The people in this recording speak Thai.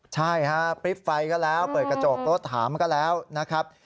ใช่ฮะพริบไฟก็แล้วเปิดกระจกรถถามก็แล้วนะครับ